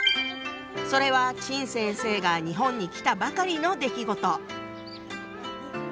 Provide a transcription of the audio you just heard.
それは陳先生が日本に来たばかりの出来事。